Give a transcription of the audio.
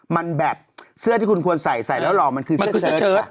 มันแบบเสื้อที่คุณควรใส่ใส่แล้วหล่อมันคือเสื้อเชิด